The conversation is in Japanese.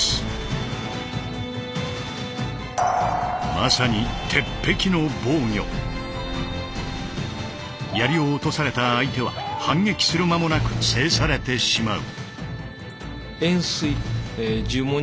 まさに槍を落とされた相手は反撃する間もなく制されてしまう。